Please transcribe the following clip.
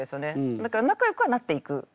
だからなかよくはなっていく。